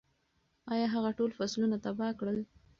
ایا هغه ټول فصلونه تباه کړل؟